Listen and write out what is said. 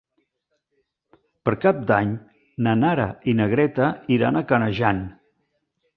Per Cap d'Any na Nara i na Greta iran a Canejan.